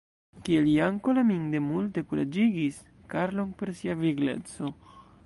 Kiel Janko, Laminde multe kuraĝigis Karlon per sia vigleco.